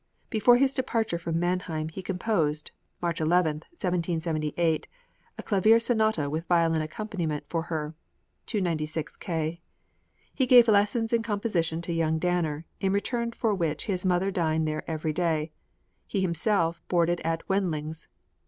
Before his departure from Mannheim he composed (March 11, 1778) a clavier sonata with violin accompaniment for her (296 K.). He gave lessons in composition to young Danner, in return for which his mother dined there every day; he himself boarded at Wendling's.